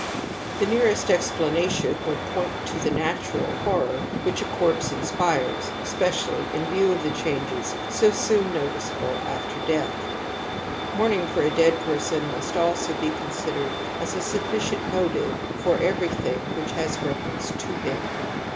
The nearest explanation would point to the 1 natural horrorwhich^^^^ \ in view of the changes so soon noticeable after , death . Mourning for a dead person must also be i considered as a sufficient motive for everything which has reference to him.